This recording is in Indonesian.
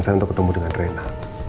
saya untuk ketemu dengan reinhard